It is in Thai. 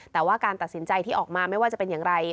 แต่ว่าการตัดสินใจที่ออกมาไม่ว่าจะเป็นอย่างไร